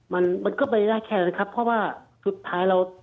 มันมันก็ไปได้แค่นั้นครับเพราะว่าสุดท้ายเรา